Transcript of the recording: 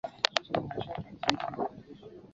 合金系统由数字系统分类。